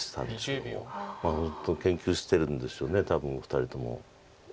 本当研究してるんでしょう多分お二人とも。